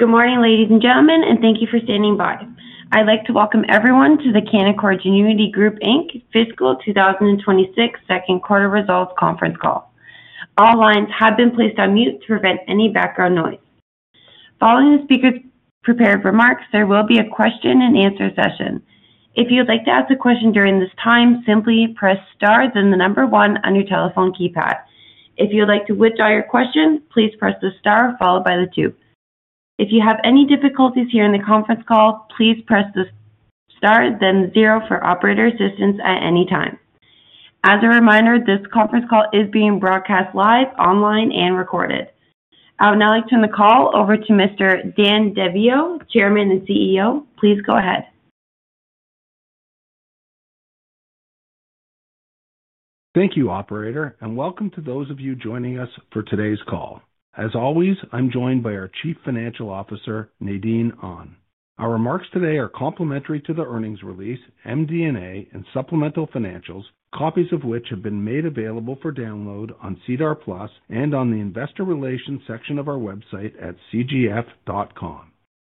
Good morning, ladies and gentlemen, and thank you for standing by. I'd like to welcome everyone to the Canaccord Genuity Group Inc fiscal 2026 Second Quarter Results Conference call. All lines have been placed on mute to prevent any background noise. Following the speaker's prepared remarks, there will be a question-and-answer session. If you'd like to ask a question during this time, simply press star then the number one on your telephone keypad. If you'd like to withdraw your question, please press the star followed by the two. If you have any difficulties hearing the conference call, please press the star then zero for operator assistance at any time. As a reminder, this conference call is being broadcast live, online, and recorded. I would now like to turn the call over to Mr. Dan Daviau, Chairman and CEO. Please go ahead. Thank you, Operator, and welcome to those of you joining us for today's call. As always, I'm joined by our Chief Financial Officer, Nadine Ahn. Our remarks today are complimentary to the earnings release, MD&A, and supplemental financials, copies of which have been made available for download on SEDAR+ and on the investor relations section of our website at cgf.com.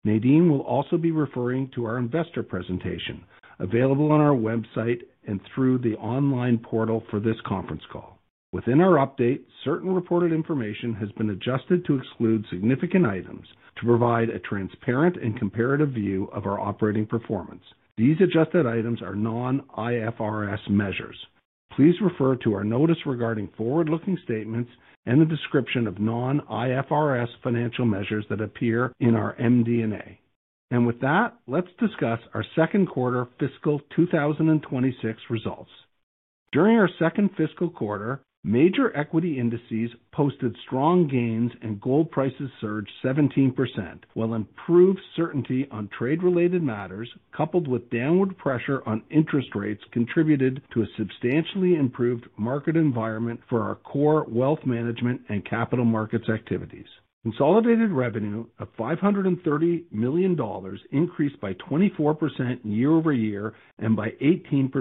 Nadine will also be referring to our investor presentation available on our website and through the online portal for this conference call. Within our update, certain reported information has been adjusted to exclude significant items to provide a transparent and comparative view of our operating performance. These adjusted items are non-IFRS measures. Please refer to our notice regarding forward-looking statements and the description of non-IFRS financial measures that appear in our MD&A. With that, let's discuss our second quarter fiscal 2026 results. During our second fiscal quarter, major equity indices posted strong gains and gold prices surged 17%, while improved certainty on trade-related matters coupled with downward pressure on interest rates contributed to a substantially improved market environment for our core wealth management and capital markets activities. Consolidated revenue of 530 million dollars increased by 24% year-over-year and by 18%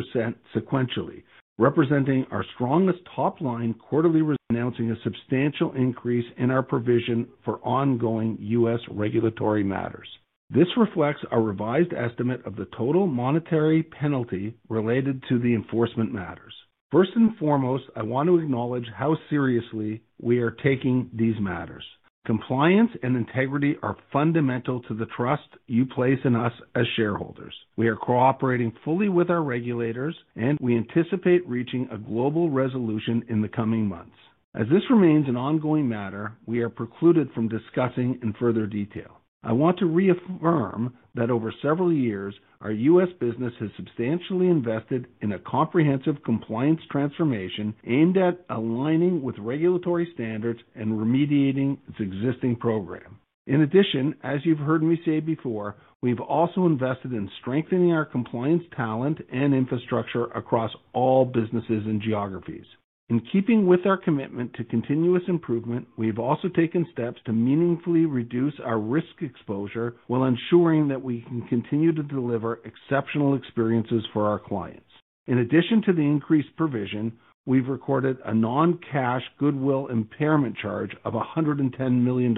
sequentially, representing our strongest top line quarterly. Announcing a substantial increase in our provision for ongoing U.S. regulatory matters. This reflects our revised estimate of the total monetary penalty related to the enforcement matters. First and foremost, I want to acknowledge how seriously we are taking these matters. Compliance and integrity are fundamental to the trust you place in us as shareholders. We are cooperating fully with our regulators, and we anticipate reaching a global resolution in the coming months. As this remains an ongoing matter, we are precluded from discussing in further detail. I want to reaffirm that over several years, our U.S. business has substantially invested in a comprehensive compliance transformation aimed at aligning with regulatory standards and remediating its existing program. In addition, as you've heard me say before, we've also invested in strengthening our compliance talent and infrastructure across all businesses and geographies. In keeping with our commitment to continuous improvement, we've also taken steps to meaningfully reduce our risk exposure while ensuring that we can continue to deliver exceptional experiences for our clients. In addition to the increased provision, we've recorded a non-cash goodwill impairment charge of CAD 110 million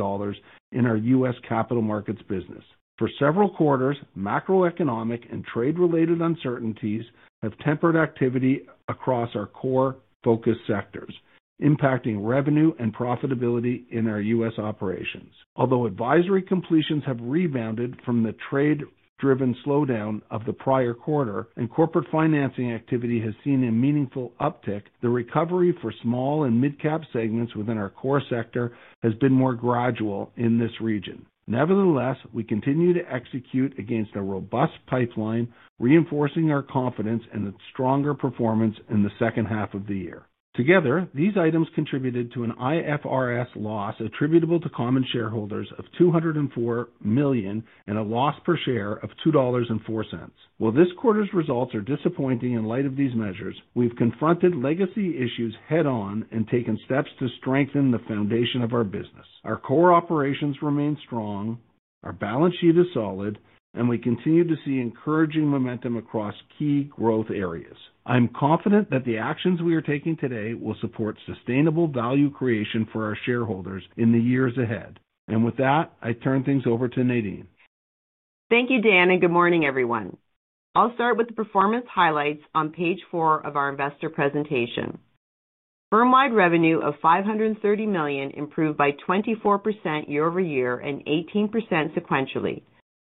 in our U.S. capital markets business. For several quarters, macroeconomic and trade-related uncertainties have tempered activity across our core focus sectors, impacting revenue and profitability in our U.S. operations. Although advisory completions have rebounded from the trade-driven slowdown of the prior quarter and corporate financing activity has seen a meaningful uptick, the recovery for small and mid-cap segments within our core sector has been more gradual in this region. Nevertheless, we continue to execute against a robust pipeline, reinforcing our confidence in stronger performance in the second half of the year. Together, these items contributed to an IFRS loss attributable to common shareholders of 204 million and a loss per share of 2.04 dollars. While this quarter's results are disappointing in light of these measures, we've confronted legacy issues head-on and taken steps to strengthen the foundation of our business. Our core operations remain strong, our balance sheet is solid, and we continue to see encouraging momentum across key growth areas. I'm confident that the actions we are taking today will support sustainable value creation for our shareholders in the years ahead. With that, I turn things over to Nadine. Thank you, Dan, and good morning, everyone. I'll start with the performance highlights on page four of our investor presentation. Firm-wide revenue of 530 million improved by 24% year-over-year and 18% sequentially,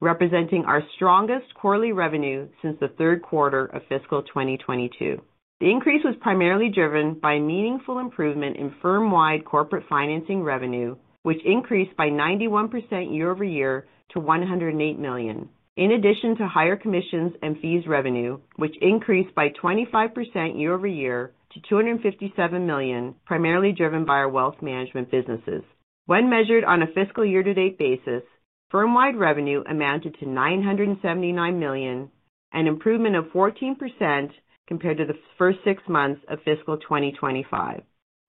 representing our strongest quarterly revenue since the third quarter of fiscal 2022. The increase was primarily driven by a meaningful improvement in firm-wide corporate financing revenue, which increased by 91% year-over-year to 108 million. In addition to higher commissions and fees revenue, which increased by 25% year-over-year to 257 million, primarily driven by our wealth management businesses. When measured on a fiscal year-to-date basis, firm-wide revenue amounted to 979 million, an improvement of 14% compared to the first six months of fiscal 2025.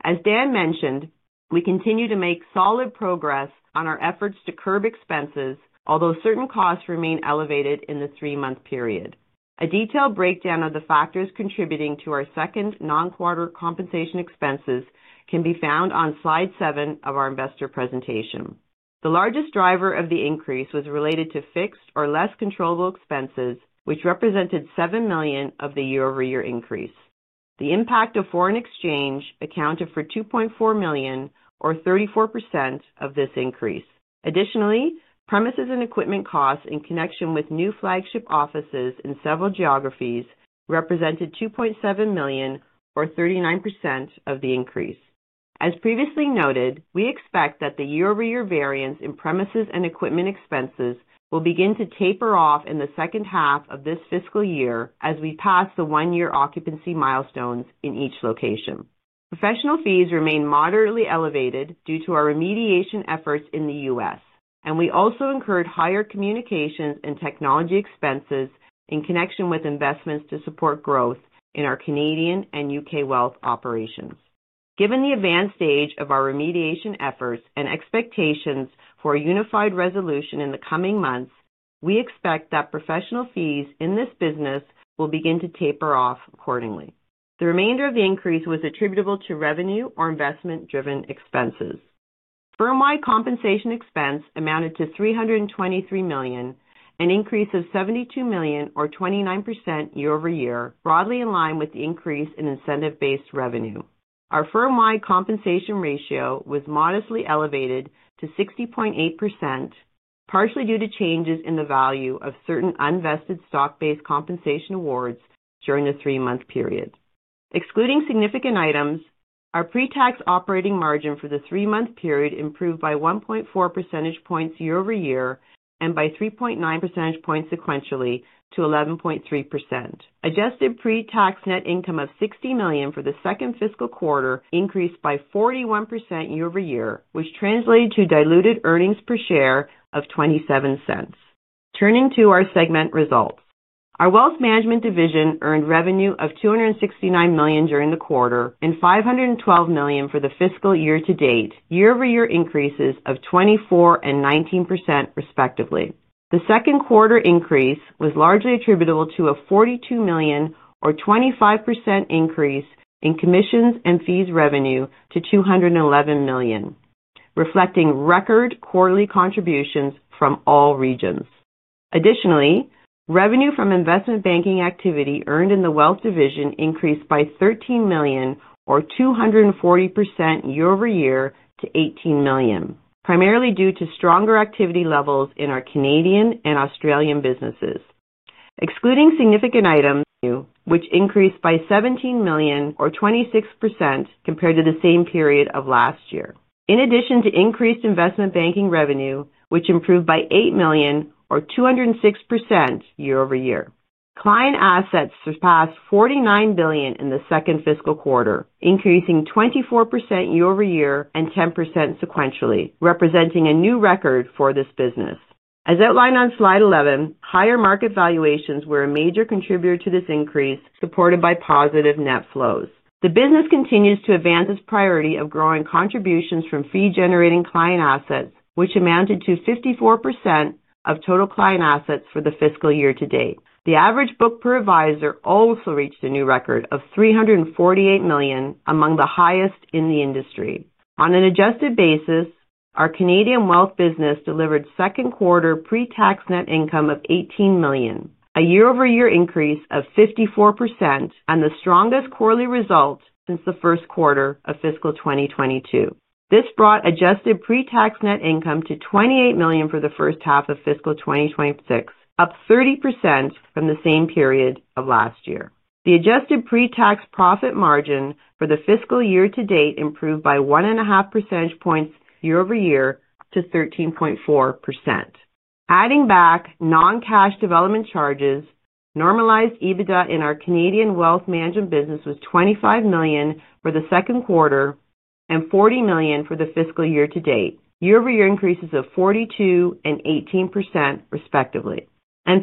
As Dan mentioned, we continue to make solid progress on our efforts to curb expenses, although certain costs remain elevated in the three-month period. A detailed breakdown of the factors contributing to our second non-quarter compensation expenses can be found on slide seven of our investor presentation. The largest driver of the increase was related to fixed or less controllable expenses, which represented 7 million of the year-over-year increase. The impact of foreign exchange accounted for 2.4 million, or 34% of this increase. Additionally, premises and equipment costs in connection with new flagship offices in several geographies represented 2.7 million, or 39% of the increase. As previously noted, we expect that the year-over-year variance in premises and equipment expenses will begin to taper off in the second half of this fiscal year as we pass the one-year occupancy milestones in each location. Professional fees remain moderately elevated due to our remediation efforts in the U.S., and we also incurred higher communications and technology expenses in connection with investments to support growth in our Canadian and U.K. wealth operations. Given the advanced stage of our remediation efforts and expectations for a unified resolution in the coming months, we expect that professional fees in this business will begin to taper off accordingly. The remainder of the increase was attributable to revenue or investment-driven expenses. Firm-wide compensation expense amounted to 323 million, an increase of 72 million, or 29% year-over-year, broadly in line with the increase in incentive-based revenue. Our firm-wide compensation ratio was modestly elevated to 60.8%, partially due to changes in the value of certain unvested stock-based compensation awards during the three-month period. Excluding significant items, our pre-tax operating margin for the three-month period improved by 1.4 percentage points year over year and by 3.9 percentage points sequentially to 11.3%. Adjusted pre-tax net income of CAD 60 million for the second fiscal quarter increased by 41% year-over-year, which translated to diluted earnings per share of 0.27. Turning to our segment results, our wealth management division earned revenue of 269 million during the quarter and 512 million for the fiscal year to date, year-over-year increases of 24% and 19%, respectively. The second quarter increase was largely attributable to a 42 million, or 25% increase in commissions and fees revenue to 211 million, reflecting record quarterly contributions from all regions. Additionally, revenue from investment banking activity earned in the wealth division increased by 13 million, or 240% year-ove- year, to 18 million, primarily due to stronger activity levels in our Canadian and Australian businesses. Excluding significant items, revenue increased by 17 million, or 26%, compared to the same period of last year. In addition to increased investment banking revenue, which improved by 8 million, or 206% year-over-year. Client assets surpassed 49 billion in the second fiscal quarter, increasing 24% year-over-year and 10% sequentially, representing a new record for this business. As outlined on slide 11, higher market valuations were a major contributor to this increase, supported by positive net flows. The business continues to advance its priority of growing contributions from fee-generating client assets, which amounted to 54% of total client assets for the fiscal year to date. The average book per revisor also reached a new record of 348 million, among the highest in the industry. On an adjusted basis, our Canadian wealth business delivered second quarter pre-tax net income of CAD 18 million, a year-over-year increase of 54%, and the strongest quarterly result since the first quarter of fiscal 2022. This brought adjusted pre-tax net income to 28 million for the first half of fiscal 2026, up 30% from the same period of last year. The adjusted pre-tax profit margin for the fiscal year to date improved by 1.5 percentage points year-over-year to 13.4%. Adding back non-cash development charges, normalized EBITDA in our Canadian wealth management business was 25 million for the second quarter and 40 million for the fiscal year to date, year-over-year increases of 42% and 18%, respectively.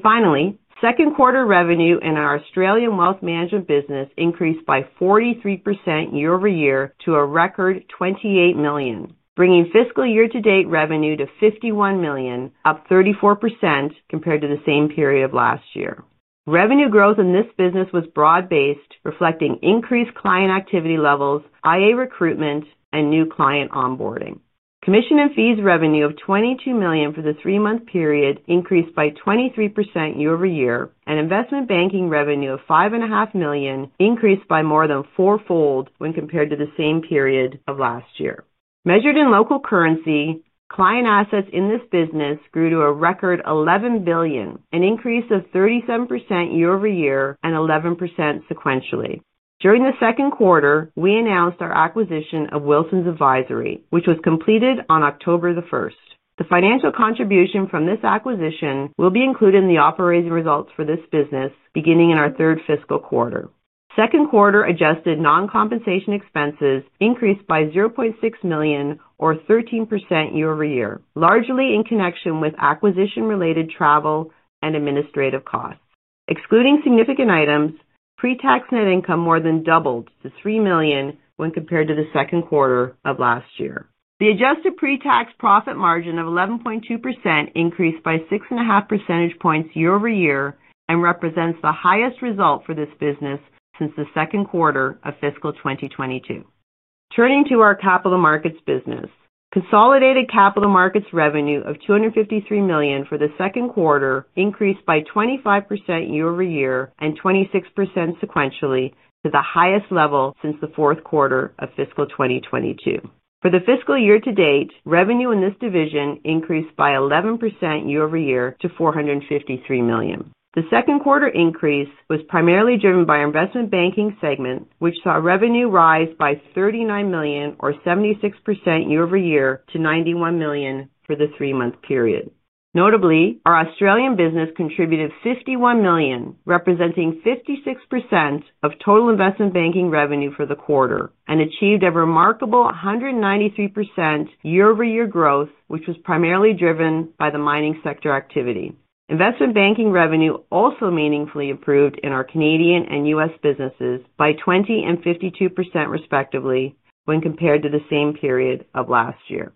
Finally, second quarter revenue in our Australian wealth management business increased by 43% year-over-year to a record 28 million, bringing fiscal year-to-date revenue to 51 million, up 34% compared to the same period of last year. Revenue growth in this business was broad-based, reflecting increased client activity levels, IA recruitment, and new client onboarding. Commission and fees revenue of 22 million for the three-month period increased by 23% year-over-year, and investment banking revenue of 5.5 million increased by more than fourfold when compared to the same period of last year. Measured in local currency, client assets in this business grew to a record 11 billion, an increase of 37% year-over-year and 11% sequentially. During the second quarter, we announced our acquisition of Wilsons Advisory, which was completed on October the 1st. The financial contribution from this acquisition will be included in the operating results for this business beginning in our third fiscal quarter. Second quarter adjusted non-compensation expenses increased by 0.6 million, or 13% year-over-year, largely in connection with acquisition-related travel and administrative costs. Excluding significant items, pre-tax net income more than doubled to 3 million when compared to the second quarter of last year. The adjusted pre-tax profit margin of 11.2% increased by 6.5 percentage points year-over-year and represents the highest result for this business since the second quarter of fiscal 2022. Turning to our capital markets business, consolidated capital markets revenue of CAD 253 million for the second quarter increased by 25% year-over-year and 26% sequentially to the highest level since the fourth quarter of fiscal 2022. For the fiscal year to date, revenue in this division increased by 11% year-over-year to 453 million. The second quarter increase was primarily driven by the investment banking segment, which saw revenue rise by 39 million, or 76% year-over-year, to 91 million for the three-month period. Notably, our Australian business contributed 51 million, representing 56% of total investment banking revenue for the quarter, and achieved a remarkable 193% year-over-year growth, which was primarily driven by the mining sector activity. Investment banking revenue also meaningfully improved in our Canadian and U.S. businesses by 20% and 52%, respectively, when compared to the same period of last year.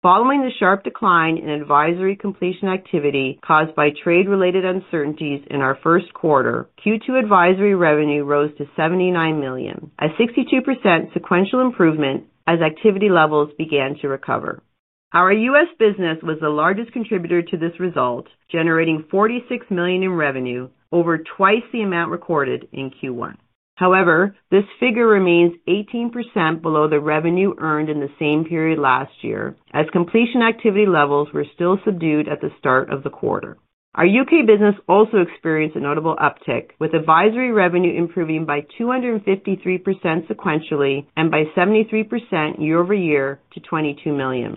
Following the sharp decline in advisory completion activity caused by trade-related uncertainties in our first quarter, Q2 advisory revenue rose to 79 million, a 62% sequential improvement as activity levels began to recover. Our U.S. business was the largest contributor to this result, generating 46 million in revenue, over twice the amount recorded in Q1. However, this figure remains 18% below the revenue earned in the same period last year, as completion activity levels were still subdued at the start of the quarter. Our U.K. business also experienced a notable uptick, with advisory revenue improving by 253% sequentially and by 73% year-over-year to 22 million.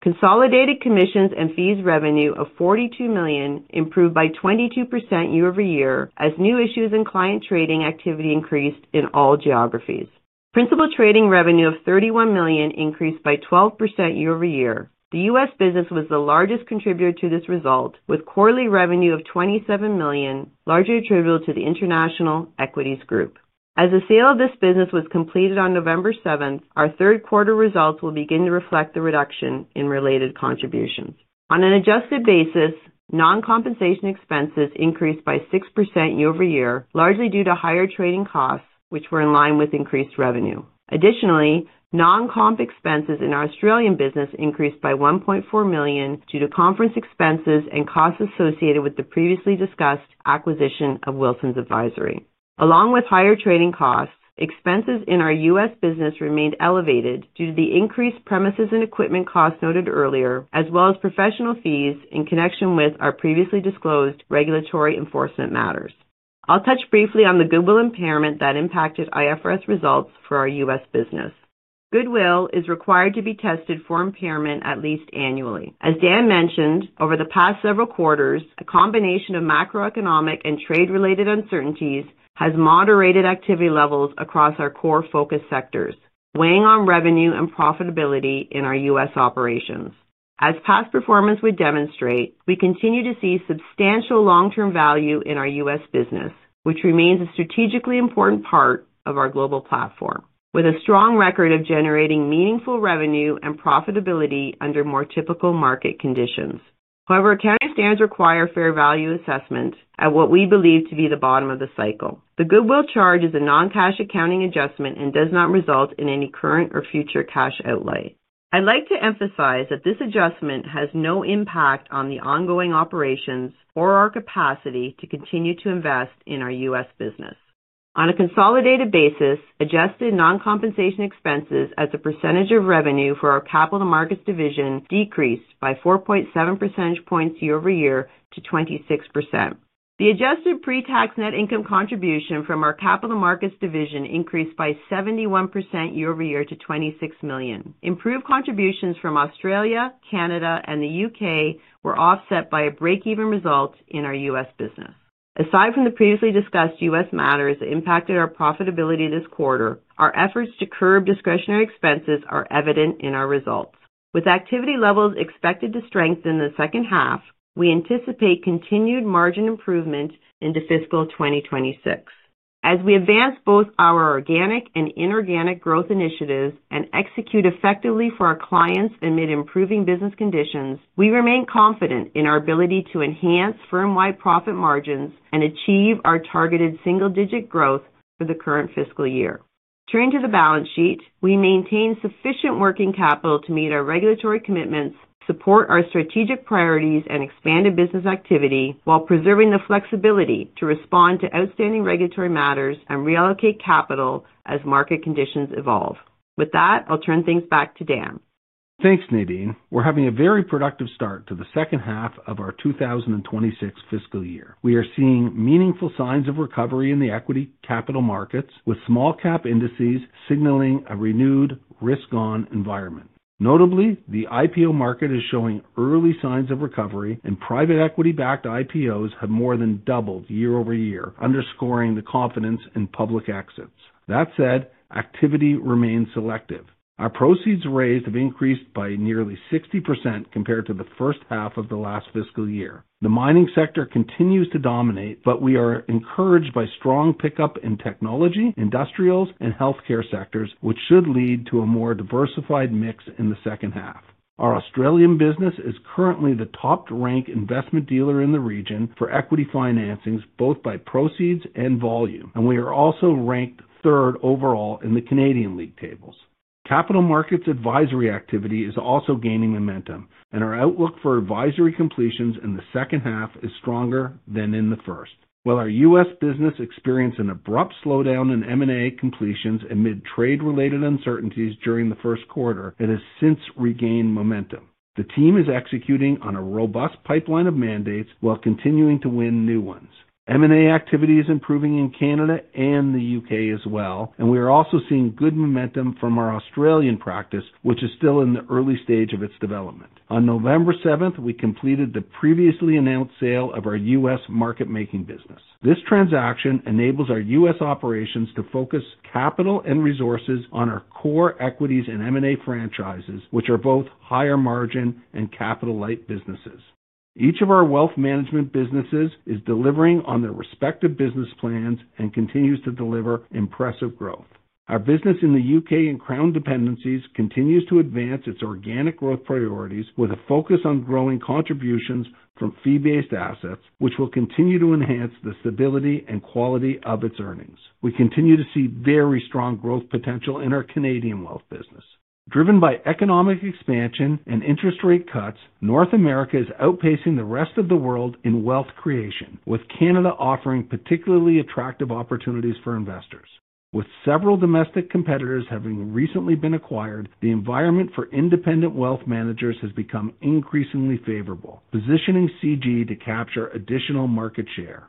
Consolidated commissions and fees revenue of 42 million improved by 22% year-over-year as new issues in client trading activity increased in all geographies. Principal trading revenue of 31 million increased by 12% year-over-year. The U.S. business was the largest contributor to this result, with quarterly revenue of 27 million, largely attributable to the International Equities Group. As the sale of this business was completed on November 7, our third quarter results will begin to reflect the reduction in related contributions. On an adjusted basis, non-compensation expenses increased by 6% year-over-year, largely due to higher trading costs, which were in line with increased revenue. Additionally, non-comp expenses in our Australian business increased by 1.4 million due to conference expenses and costs associated with the previously discussed acquisition of Wilsons Advisory. Along with higher trading costs, expenses in our U.S. business remained elevated due to the increased premises and equipment costs noted earlier, as well as professional fees in connection with our previously disclosed regulatory enforcement matters. I'll touch briefly on the goodwill impairment that impacted IFRS results for our U.S. business. Goodwill is required to be tested for impairment at least annually. As Dan mentioned, over the past several quarters, a combination of macroeconomic and trade-related uncertainties has moderated activity levels across our core focus sectors, weighing on revenue and profitability in our U.S. operations. As past performance would demonstrate, we continue to see substantial long-term value in our U.S. business, which remains a strategically important part of our global platform, with a strong record of generating meaningful revenue and profitability under more typical market conditions. However, accounting standards require fair value assessment at what we believe to be the bottom of the cycle. The goodwill charge is a non-cash accounting adjustment and does not result in any current or future cash outlay. I'd like to emphasize that this adjustment has no impact on the ongoing operations or our capacity to continue to invest in our U.S. business. On a consolidated basis, adjusted non-compensation expenses as a percentage of revenue for our capital markets division decreased by 4.7 percentage points year-over-year to 26%. The adjusted pre-tax net income contribution from our capital markets division increased by 71% year-over-year to 26 million. Improved contributions from Australia, Canada, and the U.K. were offset by a break-even result in our U.S. business. Aside from the previously discussed U.S. matters that impacted our profitability this quarter, our efforts to curb discretionary expenses are evident in our results. With activity levels expected to strengthen in the second half, we anticipate continued margin improvement into fiscal 2026. As we advance both our organic and inorganic growth initiatives and execute effectively for our clients amid improving business conditions, we remain confident in our ability to enhance firm-wide profit margins and achieve our targeted single-digit growth for the current fiscal year. Turning to the balance sheet, we maintain sufficient working capital to meet our regulatory commitments, support our strategic priorities, and expanded business activity while preserving the flexibility to respond to outstanding regulatory matters and reallocate capital as market conditions evolve. With that, I'll turn things back to Dan. Thanks, Nadine. We're having a very productive start to the second half of our 2026 fiscal year. We are seeing meaningful signs of recovery in the equity capital markets, with small-cap indices signaling a renewed risk-on environment. Notably, the IPO market is showing early signs of recovery, and private equity-backed IPOs have more than doubled year-over-year, underscoring the confidence in public exits. That said, activity remains selective. Our proceeds raised have increased by nearly 60% compared to the first half of the last fiscal year. The mining sector continues to dominate, but we are encouraged by strong pickup in technology, industrials, and healthcare sectors, which should lead to a more diversified mix in the second half. Our Australian business is currently the top-ranked investment dealer in the region for equity financings, both by proceeds and volume, and we are also ranked third overall in the Canadian league tables. Capital markets advisory activity is also gaining momentum, and our outlook for advisory completions in the second half is stronger than in the first. While our U.S. business experienced an abrupt slowdown in M&A completions amid trade-related uncertainties during the first quarter, it has since regained momentum. The team is executing on a robust pipeline of mandates while continuing to win new ones. M&A activity is improving in Canada and the U.K. as well, and we are also seeing good momentum from our Australian practice, which is still in the early stage of its development. On November 7, we completed the previously announced sale of our U.S. market-making business. This transaction enables our U.S. operations to focus capital and resources on our core equities and M&A franchises, which are both higher margin and capital-light businesses. Each of our wealth management businesses is delivering on their respective business plans and continues to deliver impressive growth. Our business in the UK & Crown Dependencies continues to advance its organic growth priorities with a focus on growing contributions from fee-based assets, which will continue to enhance the stability and quality of its earnings. We continue to see very strong growth potential in our Canadian wealth business. Driven by economic expansion and interest rate cuts, North America is outpacing the rest of the world in wealth creation, with Canada offering particularly attractive opportunities for investors. With several domestic competitors having recently been acquired, the environment for independent wealth managers has become increasingly favorable, positioning CG to capture additional market share.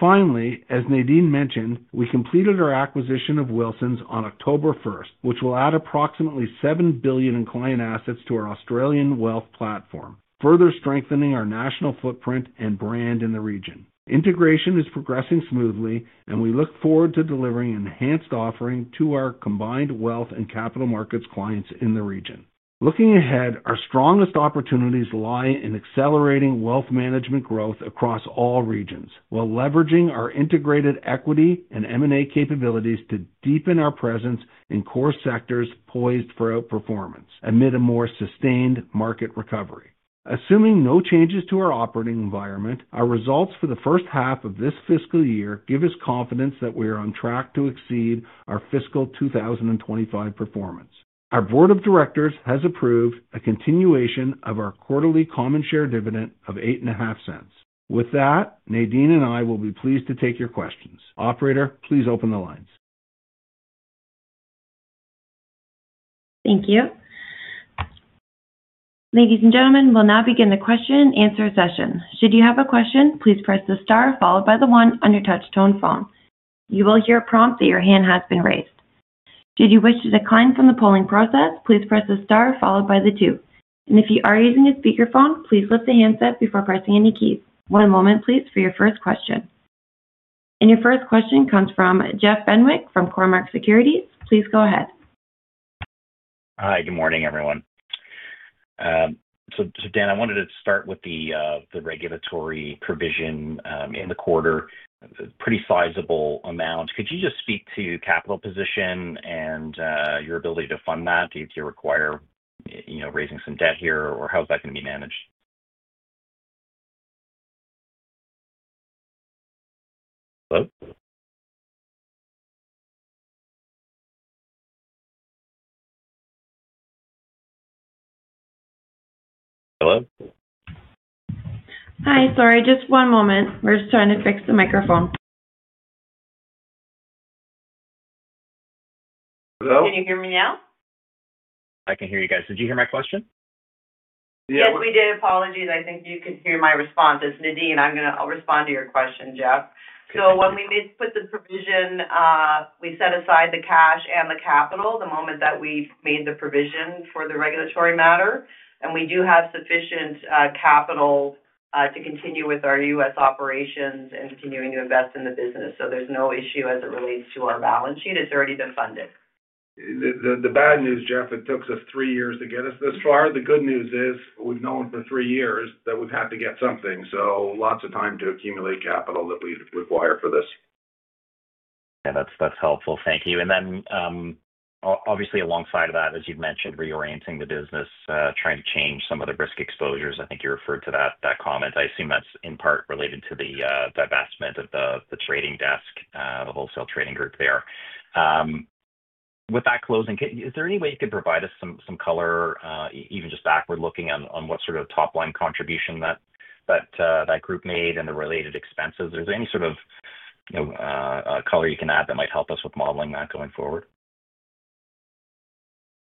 Finally, as Nadine mentioned, we completed our acquisition of Wilsons on October 1st, which will add approximately 7 billion in client assets to our Australian wealth platform, further strengthening our national footprint and brand in the region. Integration is progressing smoothly, and we look forward to delivering an enhanced offering to our combined wealth and capital markets clients in the region. Looking ahead, our strongest opportunities lie in accelerating wealth management growth across all regions, while leveraging our integrated equity and M&A capabilities to deepen our presence in core sectors poised for outperformance amid a more sustained market recovery. Assuming no changes to our operating environment, our results for the first half of this fiscal year give us confidence that we are on track to exceed our fiscal 2025 performance. Our Board of Directors has approved a continuation of our quarterly common share dividend of 0.85. With that, Nadine and I will be pleased to take your questions. Operator, please open the lines. Thank you. Ladies and gentlemen, we'll now begin the question-and-answer session. Should you have a question, please press the star followed by the one on your touch-tone phone. You will hear a prompt that your hand has been raised. Should you wish to decline from the polling process, please press the star followed by the two. If you are using a speakerphone, please lift the handset before pressing any keys. One moment, please, for your first question. Your first question comes from Jeff Benwick from Cormark Securities. Please go ahead. Hi, good morning, everyone. Dan, I wanted to start with the regulatory provision in the quarter. It is a pretty sizable amount. Could you just speak to capital position and your ability to fund that? Do you require raising some debt here, or how is that going to be managed? Hello? Hello? Hi, sorry. Just one moment. We are just trying to fix the microphone. Hello? Can you hear me now? I can hear you guys. Did you hear my question? Yes, we did. Apologies. I think you could hear my response. It is Nadine. I'll respond to your question, Jeff. When we put the provision, we set aside the cash and the capital the moment that we made the provision for the regulatory matter. We do have sufficient capital to continue with our U.S. operations and continuing to invest in the business. There's no issue as it relates to our balance sheet. It's already been funded. The bad news, Jeff, it took us three years to get us this far. The good news is we've known for three years that we've had to get something. Lots of time to accumulate capital that we require for this. Yeah, that's helpful. Thank you. Obviously, alongside of that, as you've mentioned, reorienting the business, trying to change some of the risk exposures. I think you referred to that comment. I assume that's in part related to the divestment of the trading desk, the wholesale trading group there. With that closing, is there any way you could provide us some color, even just backward-looking, on what sort of top-line contribution that group made and the related expenses? Is there any sort of color you can add that might help us with modeling that going forward?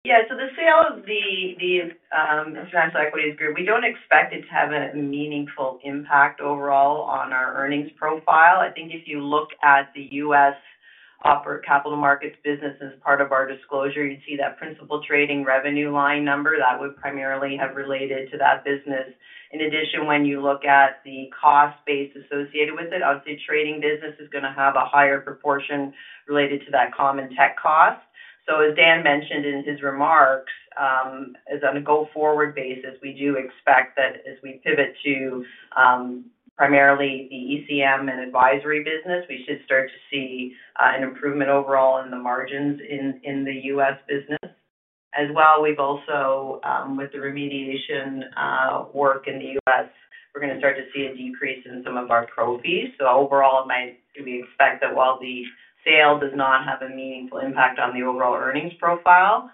Yeah. The sale of the International Equities Group, we don't expect it to have a meaningful impact overall on our earnings profile. I think if you look at the U.S. capital markets business as part of our disclosure, you'd see that principal trading revenue line number. That would primarily have related to that business. In addition, when you look at the cost base associated with it, obviously, trading business is going to have a higher proportion related to that common tech cost. As Dan mentioned in his remarks, as on a go-forward basis, we do expect that as we pivot to primarily the ECM and advisory business, we should start to see an improvement overall in the margins in the U.S. business. As well, with the remediation work in the U.S., we're going to start to see a decrease in some of our pro fees. Overall, we expect that while the sale does not have a meaningful impact on the overall earnings profile,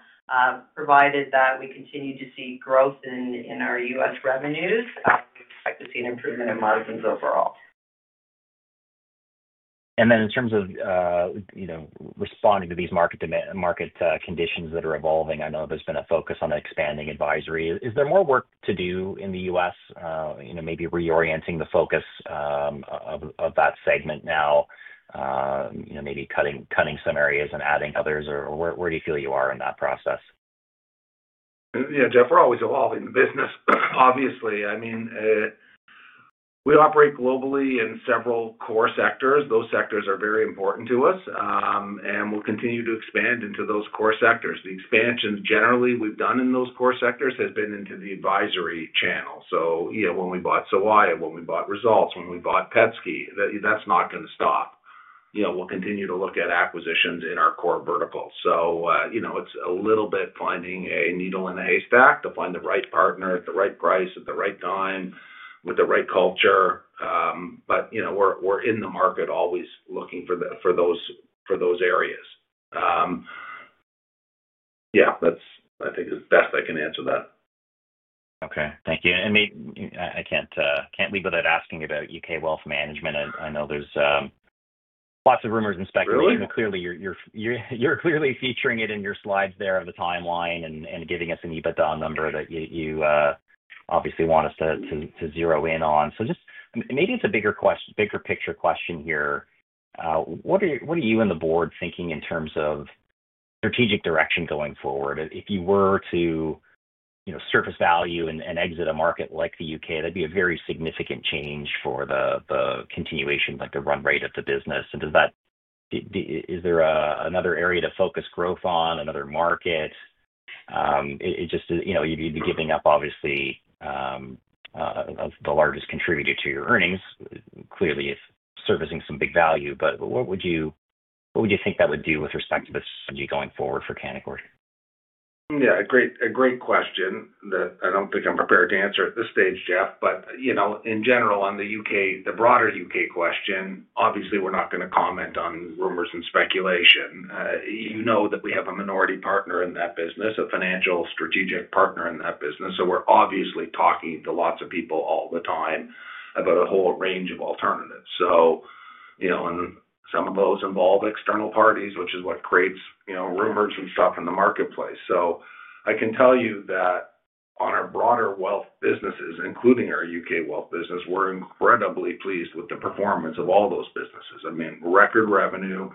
provided that we continue to see growth in our U.S. revenues, we expect to see an improvement in margins overall. In terms of responding to these market conditions that are evolving, I know there's been a focus on expanding advisory. Is there more work to do in the U.S., maybe reorienting the focus of that segment now, maybe cutting some areas and adding others? Or where do you feel you are in that process? Yeah, Jeff, we're always evolving the business, obviously. I mean, we operate globally in several core sectors. Those sectors are very important to us, and we'll continue to expand into those core sectors. The expansions generally we've done in those core sectors have been into the advisory channel. So when we bought Sawaya, when we bought Results, when we bought Petsky, that's not going to stop. We'll continue to look at acquisitions in our core verticals. So it's a little bit finding a needle in a haystack to find the right partner at the right price, at the right time, with the right culture. But we're in the market always looking for those areas. Yeah, that's, I think, as best I can answer that. Okay. Thank you. I can't leave without asking about U.K. wealth management. I know there's lots of rumors and speculation. Clearly, you're clearly featuring it in your slides there of the timeline and giving us an EBITDA number that you obviously want us to zero in on. Just maybe it's a bigger picture question here. What are you and the board thinking in terms of strategic direction going forward? If you were to surface value and exit a market like the U.K., that would be a very significant change for the continuation, like the run rate of the business. Is there another area to focus growth on, another market? You'd be giving up, obviously, the largest contributor to your earnings, clearly servicing some big value. What would you think that would do with respect to the strategy going forward for Canaccord? Yeah, a great question that I don't think I'm prepared to answer at this stage, Jeff. In general, on the broader U.K. question, obviously, we're not going to comment on rumors and speculation. You know that we have a minority partner in that business, a financial strategic partner in that business. We're obviously talking to lots of people all the time about a whole range of alternatives. Some of those involve external parties, which is what creates rumors and stuff in the marketplace. I can tell you that on our broader wealth businesses, including our U.K. wealth business, we're incredibly pleased with the performance of all those businesses. I mean, record revenue,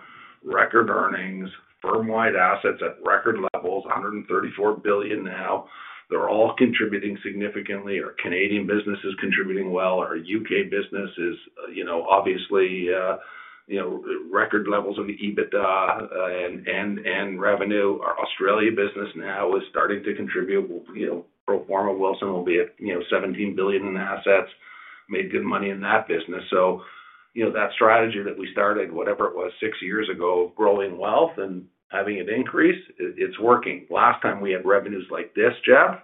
record earnings, firm-wide assets at record levels, 134 billion now. They're all contributing significantly. Our Canadian business is contributing well. Our U.K. business is obviously record levels of EBITDA and revenue. Our Australia business now is starting to contribute. Pro forma Wilson will be at 17 billion in assets, made good money in that business. So that strategy that we started, whatever it was, six years ago, of growing wealth and having it increase, it's working. Last time we had revenues like this, Jeff,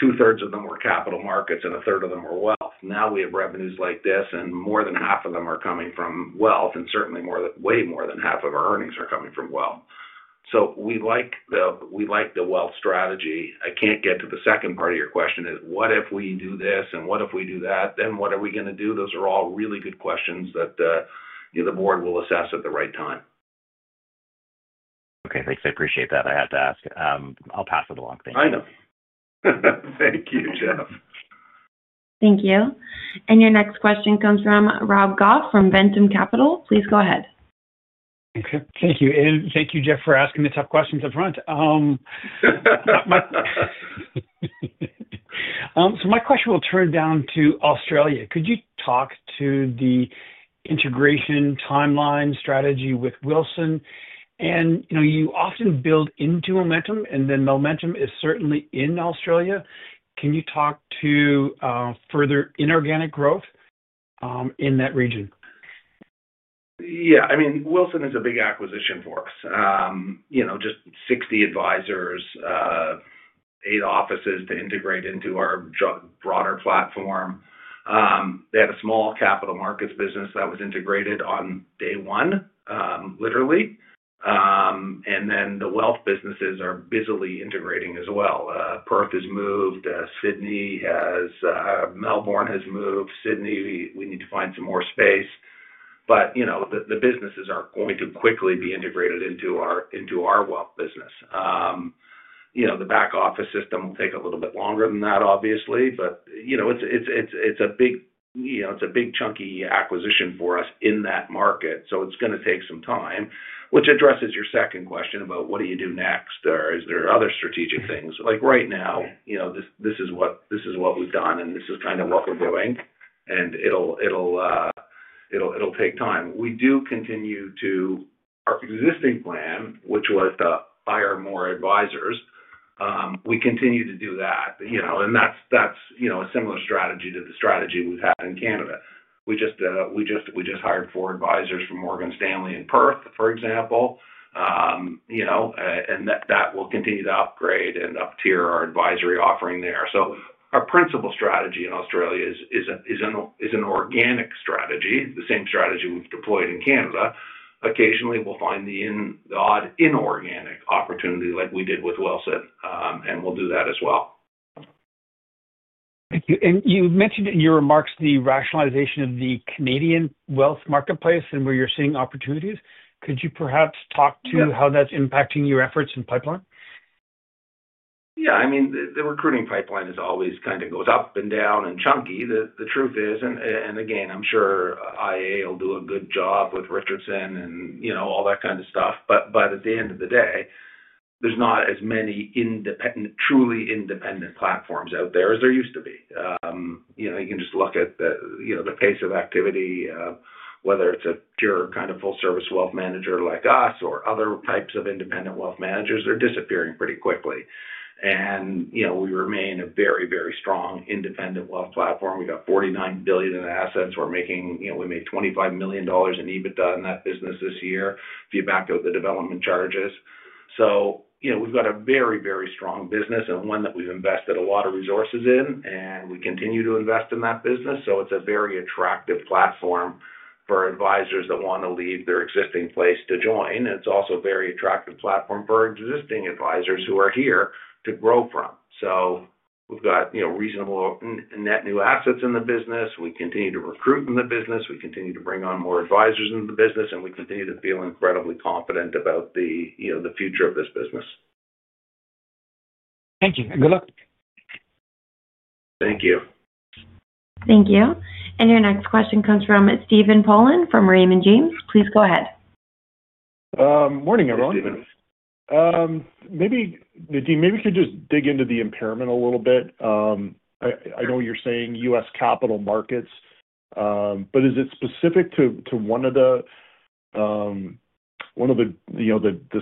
2/3 of them were capital markets and 1/3 of them were wealth. Now we have revenues like this, and more than half of them are coming from wealth, and certainly way more than half of our earnings are coming from wealth. So we like the wealth strategy. I can't get to the second part of your question. What if we do this and what if we do that? Then what are we going to do? Those are all really good questions that the board will assess at the right time. Okay. Thanks. I appreciate that. I had to ask. I'll pass it along. Thank you. I know. Thank you, Jeff. Thank you. Your next question comes from Rob Goff from Ventum Capital. Please go ahead. Okay. Thank you. Thank you, Jeff, for asking the tough questions up front. My question will turn down to Australia. Could you talk to the integration timeline strategy with Wilsons? You often build into momentum, and then momentum is certainly in Australia. Can you talk to further inorganic growth in that region? Yeah. I mean, Wilsons is a big acquisition for us. Just 60 advisors, eight offices to integrate into our broader platform. They had a small capital markets business that was integrated on day one, literally. The wealth businesses are busily integrating as well. Perth has moved. Melbourne has moved. Sydney, we need to find some more space. The businesses are going to quickly be integrated into our wealth business. The back office system will take a little bit longer than that, obviously. It is a big chunky acquisition for us in that market. It is going to take some time, which addresses your second question about what do you do next? Is there other strategic things? Right now, this is what we have done, and this is kind of what we are doing. It will take time. We do continue to our existing plan, which was to hire more advisors. We continue to do that. That is a similar strategy to the strategy we have had in Canada. We just hired four advisors from Morgan Stanley in Perth, for example. That will continue to upgrade and uptier our advisory offering there. Our principal strategy in Australia is an organic strategy, the same strategy we've deployed in Canada. Occasionally, we'll find the odd inorganic opportunity like we did with Wilsons. We'll do that as well. Thank you. You mentioned in your remarks the rationalization of the Canadian wealth marketplace and where you're seeing opportunities. Could you perhaps talk to how that's impacting your efforts and pipeline? Yeah. I mean, the recruiting pipeline always kind of goes up and down and is chunky, the truth is. Again, I'm sure IA will do a good job with Richardson and all that kind of stuff. At the end of the day, there's not as many truly independent platforms out there as there used to be. You can just look at the pace of activity, whether it's a pure kind of full-service wealth manager like us or other types of independent wealth managers. They're disappearing pretty quickly. We remain a very, very strong independent wealth platform. We got 49 billion in assets. We made 25 million dollars in EBITDA in that business this year, if you back out the development charges. We got a very, very strong business and one that we've invested a lot of resources in, and we continue to invest in that business. It is a very attractive platform for advisors that want to leave their existing place to join. It is also a very attractive platform for existing advisors who are here to grow from. We got reasonable net new assets in the business. We continue to recruit in the business. We continue to bring on more advisors into the business, and we continue to feel incredibly confident about the future of this business. Thank you. And good luck. Thank you. Thank you. Your next question comes from Stephen Boland from Raymond James. Please go ahead. Morning, everyone. Good evening. Nadine, maybe you could just dig into the impairment a little bit. I know you're saying U.S. capital markets, but is it specific to one of the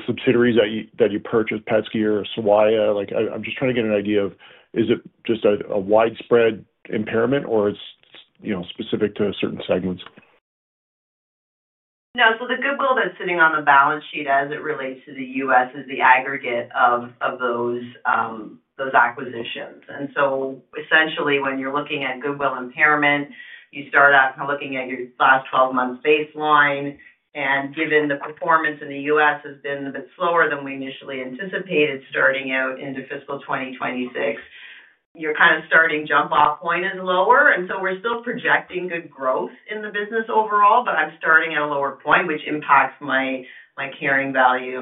subsidiaries that you purchased, Petsky or Sawaya? I'm just trying to get an idea of is it just a widespread impairment or it's specific to certain segments? No. The goodwill that's sitting on the balance sheet as it relates to the U.S. is the aggregate of those acquisitions. Essentially, when you're looking at goodwill impairment, you start out by looking at your last 12 months baseline. Given the performance in the U.S. has been a bit slower than we initially anticipated starting out into fiscal 2026, your kind of starting jump-off point is lower. We are still projecting good growth in the business overall, but I am starting at a lower point, which impacts my carrying value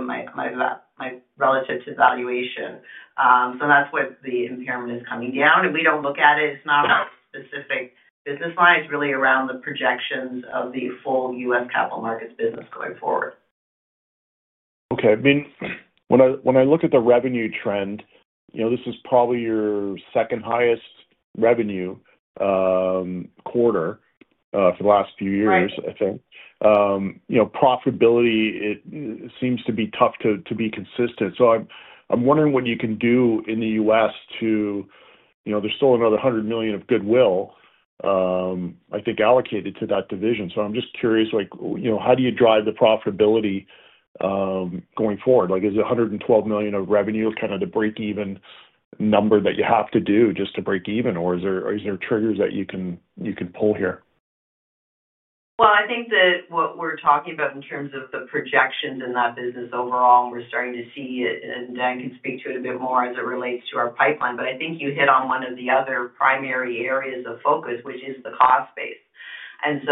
relative to valuation. That is what the impairment is coming down to. We do not look at it as a specific business line. It is really around the projections of the full U.S. capital markets business going forward. Okay. I mean, when I look at the revenue trend, this is probably your second highest revenue quarter for the last few years, I think. Profitability seems to be tough to be consistent. I am wondering what you can do in the U.S. as there is still another 100 million of goodwill, I think, allocated to that division. I'm just curious, how do you drive the profitability going forward? Is it 112 million of revenue, kind of the break-even number that you have to do just to break even? Or is there triggers that you can pull here? I think that what we're talking about in terms of the projections in that business overall, and we're starting to see it, and Dan can speak to it a bit more as it relates to our pipeline. I think you hit on one of the other primary areas of focus, which is the cost base.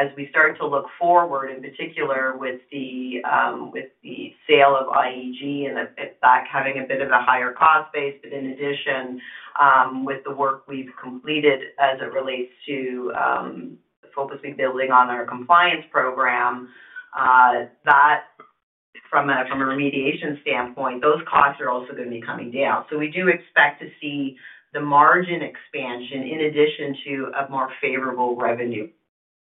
As we start to look forward, in particular with the sale of IEG and having a bit of a higher cost base, but in addition, with the work we have completed as it relates to the focus we are building on our compliance program, from a remediation standpoint, those costs are also going to be coming down. We do expect to see the margin expansion in addition to a more favorable revenue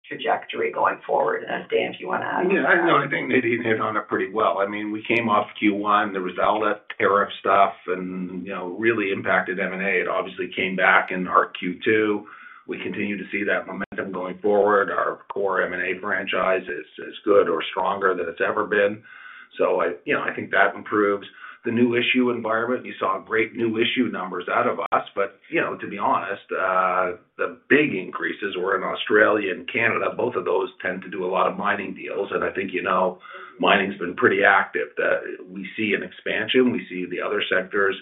trajectory going forward. That is Dan if you want to add anything. Yeah, I think Nadine hit on it pretty well. I mean, we came off Q1, there was all that tariff stuff, and it really impacted M&A. It obviously came back in our Q2. We continue to see that momentum going forward. Our core M&A franchise is good or stronger than it has ever been. I think that improves. The new issue environment, you saw great new issue numbers out of us. To be honest, the big increases were in Australia and Canada. Both of those tend to do a lot of mining deals. I think mining has been pretty active. We see an expansion. We see the other sectors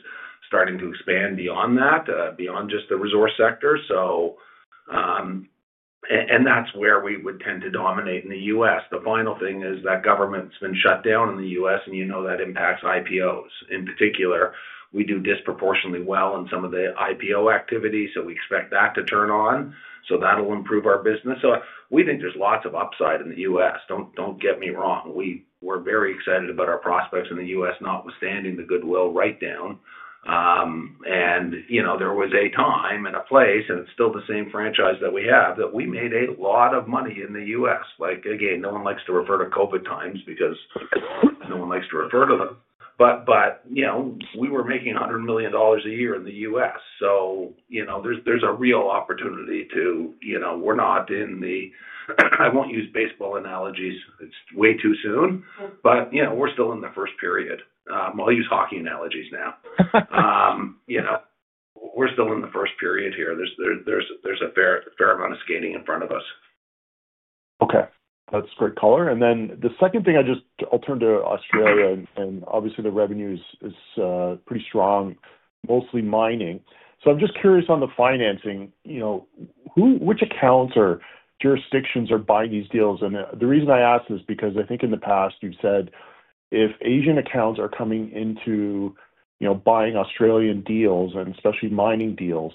starting to expand beyond that, beyond just the resource sector. That is where we would tend to dominate in the U.S. The final thing is that government's been shut down in the U.S., and you know that impacts IPOs. In particular, we do disproportionately well in some of the IPO activity, so we expect that to turn on. That will improve our business. We think there is lots of upside in the U.S. Do not get me wrong. We are very excited about our prospects in the U.S., notwithstanding the goodwill write-down. There was a time and a place, and it's still the same franchise that we have, that we made a lot of money in the U.S. Again, no one likes to refer to COVID times because no one likes to refer to them. We were making 100 million dollars a year in the U.S. There is a real opportunity to—we're not in the—I won't use baseball analogies. It's way too soon. We're still in the first period. I'll use hockey analogies now. We're still in the first period here. There is a fair amount of skating in front of us. Okay. That's great color. The second thing, I'll turn to Australia. Obviously, the revenue is pretty strong, mostly mining. I'm just curious on the financing. Which accounts or jurisdictions are buying these deals? The reason I ask is because I think in the past, you've said if Asian accounts are coming into buying Australian deals, and especially mining deals,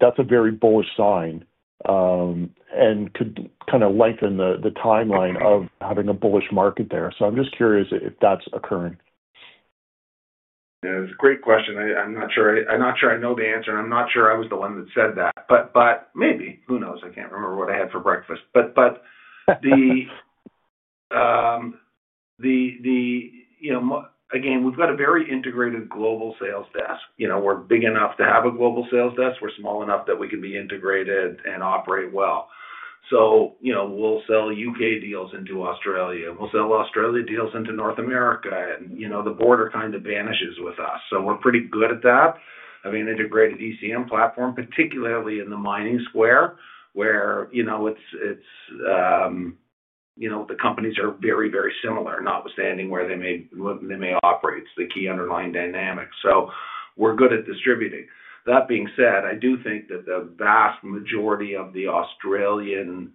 that's a very bullish sign and could kind of lengthen the timeline of having a bullish market there. I'm just curious if that's occurring. Yeah. That's a great question. I'm not sure I know the answer, and I'm not sure I was the one that said that. Maybe. Who knows? I can't remember what I had for breakfast. Again, we've got a very integrated global sales desk. We're big enough to have a global sales desk. We're small enough that we can be integrated and operate well. We will sell U.K. deals into Australia. We will sell Australia deals into North America. The border kind of vanishes with us. We're pretty good at that. Having an integrated ECM platform, particularly in the mining square, where it's the companies are very, very similar, notwithstanding where they may operate. It's the key underlying dynamic. We are good at distributing. That being said, I do think that the vast majority of the Australian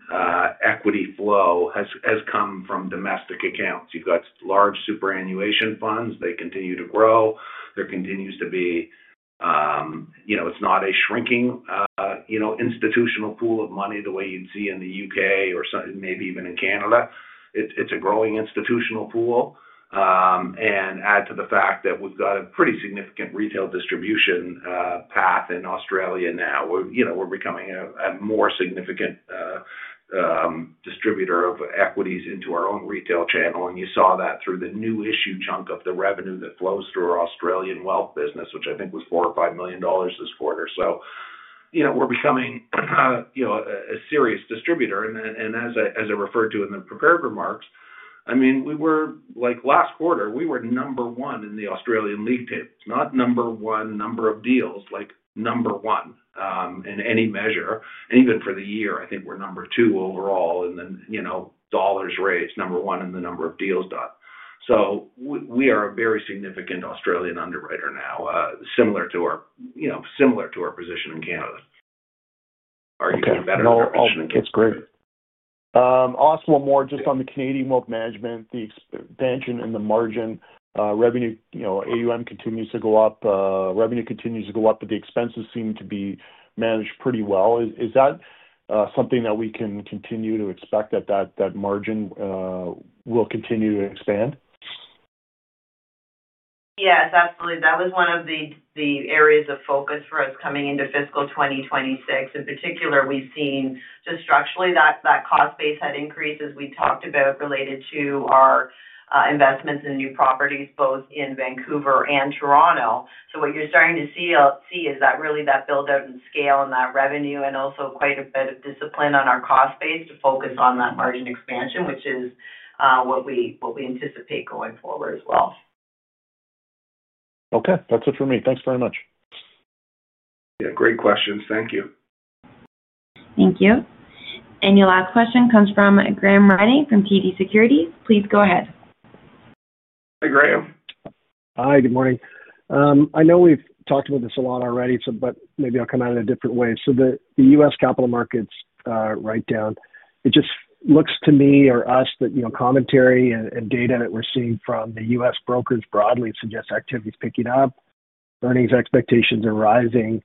equity flow has come from domestic accounts. You have got large superannuation funds. They continue to grow. There continues to be, it's not a shrinking institutional pool of money the way you would see in the U.K. or maybe even in Canada. It is a growing institutional pool. Add to the fact that we have got a pretty significant retail distribution path in Australia now. We are becoming a more significant distributor of equities into our own retail channel. You saw that through the new issue chunk of the revenue that flows through our Australian wealth business, which I think was 4 million-5 million dollars this quarter. We are becoming a serious distributor. As I referred to in the prepared remarks, last quarter, we were number one in the Australian league tables. Not number one in number of deals, like number one in any measure. Even for the year, I think we are number two overall in the dollars rates, number one in the number of deals done. We are a very significant Australian underwriter now, similar to our position in Canada. Argue better question. Okay. No, it is great. Last one more just on the Canadian wealth management, the expansion and the margin revenue. AUM continues to go up. Revenue continues to go up, but the expenses seem to be managed pretty well. Is that something that we can continue to expect, that that margin will continue to expand? Yes. Absolutely. That was one of the areas of focus for us coming into fiscal 2026. In particular, we've seen just structurally that cost base had increased, as we talked about, related to our investments in new properties, both in Vancouver and Toronto. What you're starting to see is that really that build-up and scale in that revenue, and also quite a bit of discipline on our cost base to focus on that margin expansion, which is what we anticipate going forward as well. Okay. That's it for me. Thanks very much. Yeah. Great questions. Thank you. Thank you. Your last question comes from Graham Ryding from TD Securities. Please go ahead. Hi, Graham. Hi. Good morning. I know we've talked about this a lot already, but maybe I'll come at it a different way. The U.S. Capital markets write-down, it just looks to me or us that commentary and data that we're seeing from the U.S. brokers broadly suggests activity is picking up, earnings expectations are rising.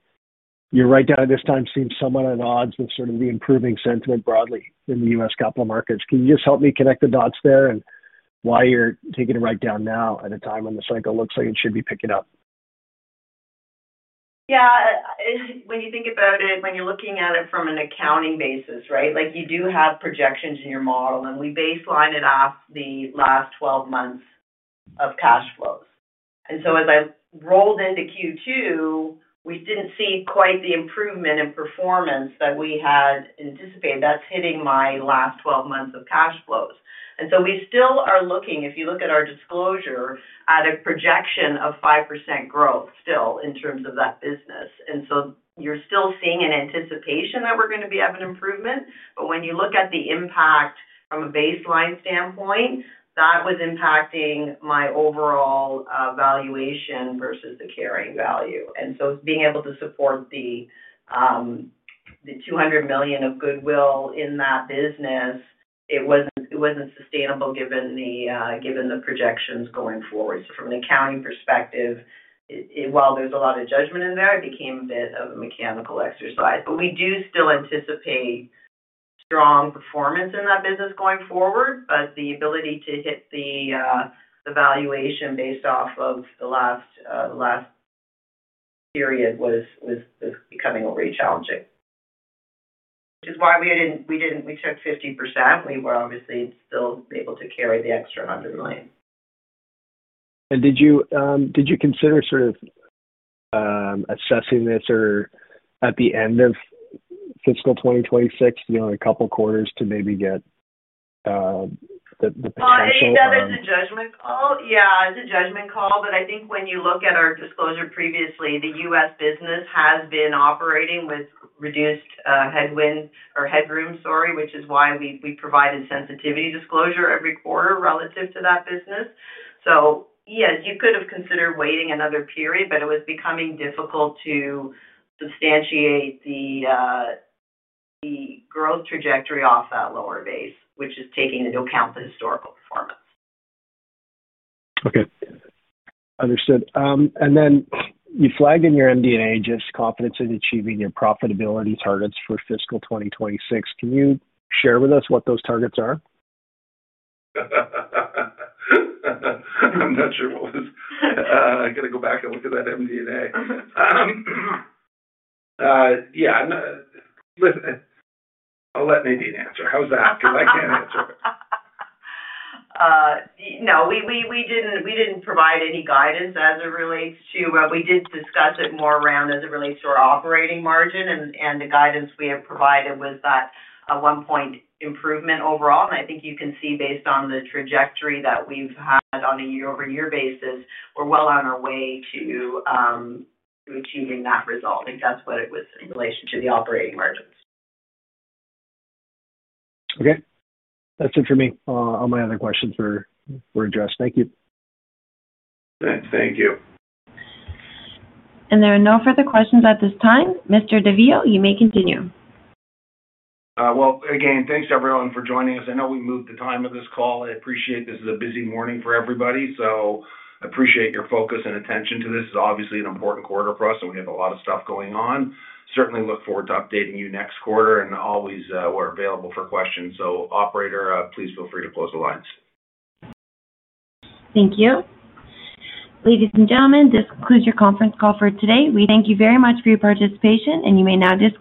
Your write-down at this time seems somewhat at odds with sort of the improving sentiment broadly in the U.S. capital markets. Can you just help me connect the dots there and why you're taking a write-down now at a time when the cycle looks like it should be picking up? Yeah. When you think about it, when you're looking at it from an accounting basis, right, you do have projections in your model, and we baseline it off the last 12 months of cash flows. And as I rolled into Q2, we didn't see quite the improvement in performance that we had anticipated. That's hitting my last 12 months of cash flows. We still are looking, if you look at our disclosure, at a projection of 5% growth still in terms of that business. You are still seeing an anticipation that we are going to have an improvement. When you look at the impact from a baseline standpoint, that was impacting my overall valuation versus the carrying value. Being able to support the 200 million of goodwill in that business, it was not sustainable given the projections going forward. From an accounting perspective, while there is a lot of judgment in there, it became a bit of a mechanical exercise. We do still anticipate strong performance in that business going forward. The ability to hit the valuation based off of the last period was becoming overly challenging, which is why we took 50%. We were obviously still able to carry the extra CAD 100 million. Did you consider sort of assessing this at the end of fiscal 2026, a couple of quarters to maybe get the potential? Oh, I think that is a judgment call. Yeah. It is a judgment call. I think when you look at our disclosure previously, the U.S. business has been operating with reduced headroom, sorry, which is why we provided sensitivity disclosure every quarter relative to that business. Yes, you could have considered waiting another period, but it was becoming difficult to substantiate the growth trajectory off that lower base, which is taking into account the historical performance. Okay. Understood. You flagged in your MD&A just confidence in achieving your profitability targets for fiscal 2026. Can you share with us what those targets are? I am not sure what it was. I have to go back and look at that MD&A. I will let Nadine answer. How's that? Because I can't answer it. No. We didn't provide any guidance as it relates to—we did discuss it more around as it relates to our operating margin. The guidance we have provided was that a one-point improvement overall. I think you can see based on the trajectory that we've had on a year-over-year basis, we're well on our way to achieving that result. I think that's what it was in relation to the operating margins. Okay. That's it for me. All my other questions were addressed. Thank you. Thank you. There are no further questions at this time. Mr. Daviau, you may continue. Again, thanks everyone for joining us. I know we moved the time of this call. I appreciate this is a busy morning for everybody. I appreciate your focus and attention to this. It's obviously an important quarter for us, and we have a lot of stuff going on. Certainly look forward to updating you next quarter. As always, we're available for questions. Operator, please feel free to close the lines. Thank you. Ladies and gentlemen, this concludes your conference call for today. We thank you very much for your participation, and you may now disconnect.